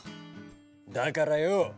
だからよ